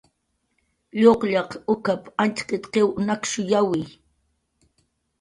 "Luqllaq uk""ap"" Antxqit"" qiw nakshuyawi"